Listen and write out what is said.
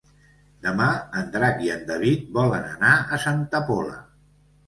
Demà en Drac i en David volen anar a Santa Pola.